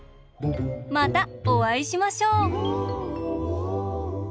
またおあいしましょう！